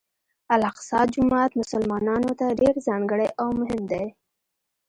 الاقصی جومات مسلمانانو ته ډېر ځانګړی او مهم دی.